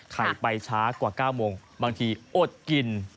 ไปช้ากว่า๙โมงบางทีอดกิน